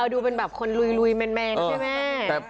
ดูเป็นแบบคนลุยแมนใช่ไหม